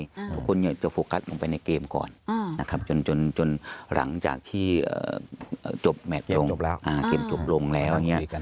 ทุกคนจะโฟกัสออกไปในเกมก่อนจนหลังจากที่เกมจบลงแล้ว